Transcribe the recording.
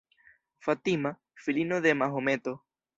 Fatima, filino de Mahometo.